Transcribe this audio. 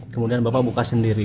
kemudian bapak buka sendiri